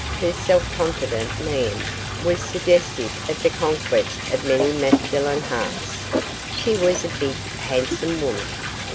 Her self confident mien was suggestive of the conquest of many masculine hearts. She was a big handsome woman.